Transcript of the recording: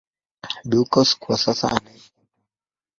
Beukes kwa sasa anaishi Cape Town.